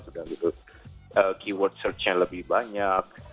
keyword search nya lebih banyak